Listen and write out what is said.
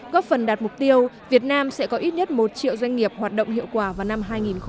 góp phần đạt mục tiêu việt nam sẽ có ít nhất một triệu doanh nghiệp hoạt động hiệu quả vào năm hai nghìn hai mươi